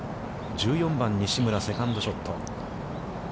１４番、西村、セカンドショット。